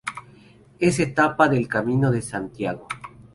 Es etapa del Camino de Santiago.